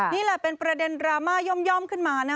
นี่แหละเป็นประเด็นดราม่าย่อมขึ้นมานะ